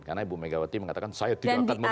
karena ibu megawati mengatakan saya tidak akan membawa